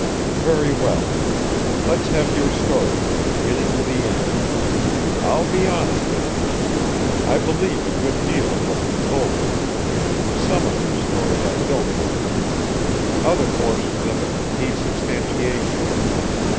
"Very well: let's have your story from the beginning to the end. I'll be honest with you: I believe a good deal of what you've told me. Some of your story I don't believe. Other portions of it need substantiation.